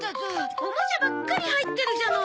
おもちゃばっかり入ってるじゃない。